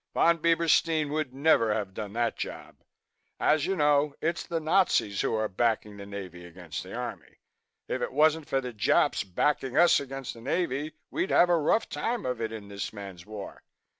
Von Bieberstein would never have done that job. As you know, it's the Nazis who are backing the Navy against the Army. If it wasn't for the Japs backing us against the Navy we'd have a rough time of it in this man's war.